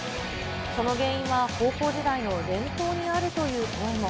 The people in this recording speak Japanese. その原因は高校時代の連投にあるという声も。